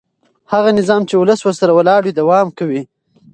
هغه نظام چې ولس ورسره ولاړ وي دوام کوي